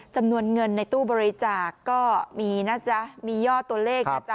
จำนวนเงินในตู้บริจาคก็มีนะจ๊ะมียอดตัวเลขนะจ๊